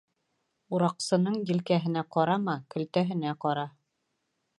Ураҡсының елкәһенә ҡарама, көлтәһенә ҡара.